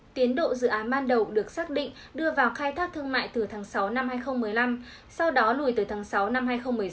tiến độ dự án ban đầu được xác định đưa vào khai thác thương mại từ tháng sáu năm hai nghìn một mươi năm sau đó lùi từ tháng sáu năm hai nghìn một mươi sáu